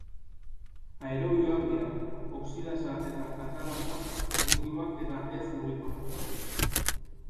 Aerobioak dira, oxidasa eta katalasa positiboak eta ez- mugikorrak.